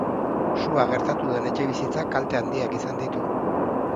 Sua gertatu den etxebizitzak kalte handiak izan ditu.